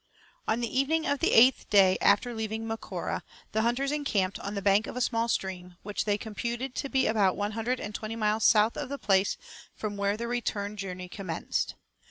On the evening of the eighth day after leaving Macora the hunters encamped on the bank of a small stream, which they computed to be about one hundred and twenty miles south of the place from where their return journey commenced.